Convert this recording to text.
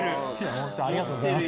本当ありがとうございます。